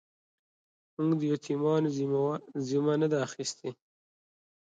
موږ د يتيمانو ذمه نه ده اخيستې.